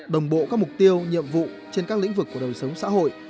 đồng bộ các mục tiêu nhiệm vụ trên các lĩnh vực của đời sống xã hội